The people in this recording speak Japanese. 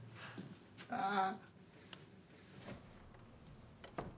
ああ！